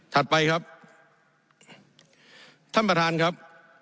ไปครับท่านประธานครับ